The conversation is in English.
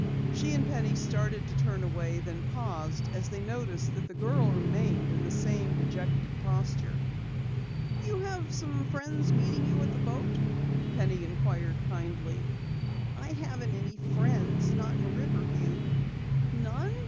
She and Penny started to turn away, then paused as they noticed that the girl remained in the same dejected posture. "You have friends meeting you at the boat?" Penny inquired kindly. "I haven't any friends not in Riverview." "None?"